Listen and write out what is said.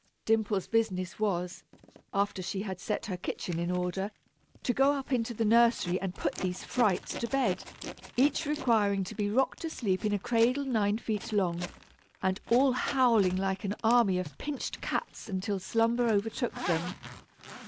Dimple's business was, after she had set her kitchen in order, to go up into the nursery and put these frights to bed, each requiring to be rocked to sleep in a cradle nine feet long, and all howling like an army of pinched cats until slumber overtook them.